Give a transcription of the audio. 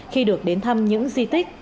khi được đến thăm những di tích